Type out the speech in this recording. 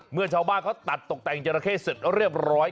เมื่อชาวบ้านเขาตัดตกแต่งจราเข้เสร็จเรียบร้อย